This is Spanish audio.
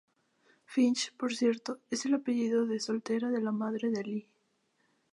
Finch, por cierto, es el apellido de soltera de la madre de Lee.